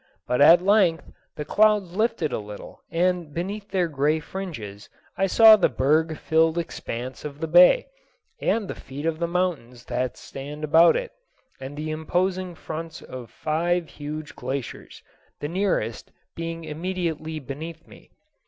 But at length the clouds lifted a little, and beneath their gray fringes I saw the berg filled expanse of the bay, and the feet of the mountains that stand about it, and the imposing fronts of five huge glaciers, the nearest being immediately beneath me.